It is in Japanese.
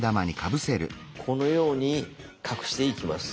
このように隠していきます。